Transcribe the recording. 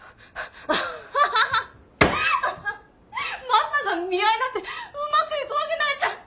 マサが見合いなんてうまくいくわけないじゃん。